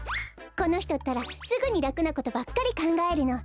このひとったらすぐにらくなことばっかりかんがえるの。